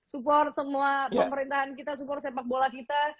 support semua pemerintahan kita support sepak bola kita